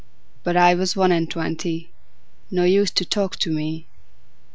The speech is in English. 'But I was one and twenty, No use to talk to me.